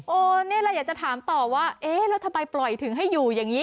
นี่แหละอยากจะถามต่อว่าเอ๊ะแล้วทำไมปล่อยถึงให้อยู่อย่างนี้